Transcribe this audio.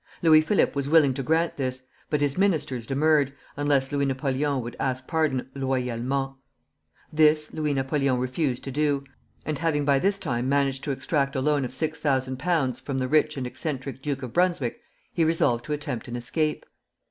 Louis Philippe was willing to grant this; but his ministers demurred, unless Louis Napoleon would ask pardon loyalement. This Louis Napoleon refused to do; and having by this time managed to extract a loan of £6,000 from the rich and eccentric Duke of Brunswick, he resolved to attempt an escape.